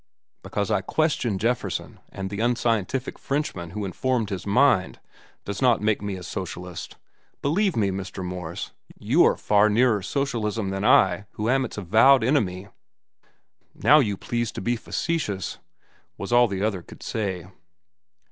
"Because I question Jefferson and the unscientific Frenchmen who informed his mind, does not make me a socialist. Believe me, Mr. Morse, you are far nearer socialism than I who am its avowed enemy." "Now you please to be facetious," was all the other could say.